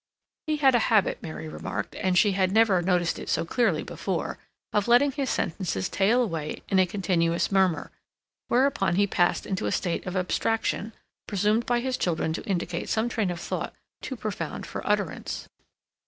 He had a habit, Mary remarked, and she had never noticed it so clearly before, of letting his sentences tail away in a continuous murmur, whereupon he passed into a state of abstraction, presumed by his children to indicate some train of thought too profound for utterance.